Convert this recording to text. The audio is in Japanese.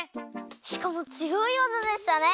しかもつよい技でしたね。